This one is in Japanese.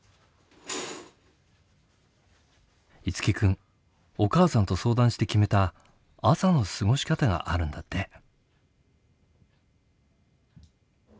樹君お母さんと相談して決めた「朝の過ごし方」があるんだって。